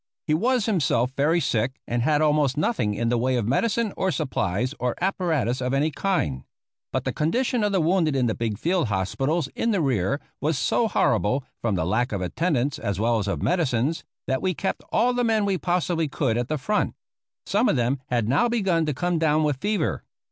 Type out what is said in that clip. He was himself very sick and had almost nothing in the way of medicine or supplies or apparatus of any kind, but the condition of the wounded in the big field hospitals in the rear was so horrible, from the lack of attendants as well as of medicines, that we kept all the men we possibly could at the front. Some of them had now begun to come down with fever.